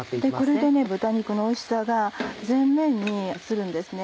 これで豚肉のおいしさが全面に移るんですね。